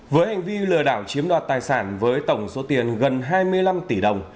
với hành vi lừa đảo chiếm đoạt tài sản với tổng số tiền gần hai mươi năm tỷ đồng